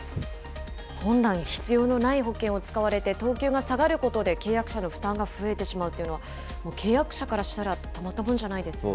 本来必要のない保険を使われて、等級が下がることで契約者の負担が増えてしまうっていうのは、もう契約者からしたら、たまったもんじゃないですよね。